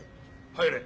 ・入れ。